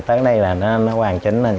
thì sẽ nghếch